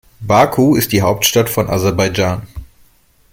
Baku ist die Hauptstadt von Aserbaidschan.